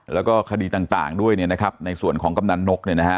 แล้วก็คดีต่างด้วยในส่วนของคำนันนก